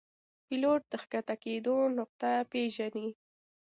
پیلوټ د ښکته کېدو نقطه پیژني.